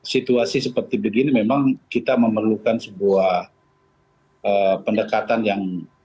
situasi seperti begini memang kita memerlukan sebuah pendekatan yang